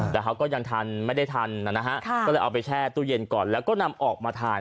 แต่เขาก็ยังทันไม่ได้ทันนะฮะก็เลยเอาไปแช่ตู้เย็นก่อนแล้วก็นำออกมาทาน